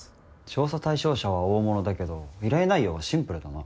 調査対象者は大物だけど依頼内容はシンプルだな。